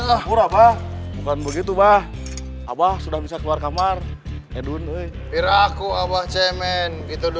apa bukan begitu bah abah sudah bisa keluar kamar edun